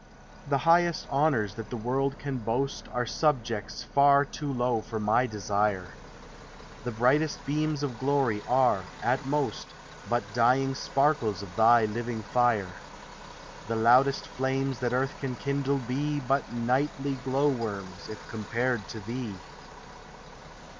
The highest honors that the world can boast Are subjects tar too low for my desire; The brightest beams of glory are, at most, But dying sparkles of thy living tire; The loudest flames that earth can kindle be Hut nightly glow worms, if compared to thee.